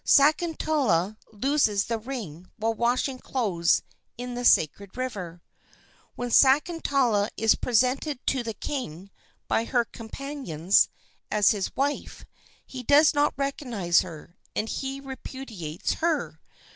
"Sakuntala loses the ring while washing clothes in the sacred river. "When Sakuntala is presented to the king, by her companions, as his wife, he does not recognize her, and he repudiates her.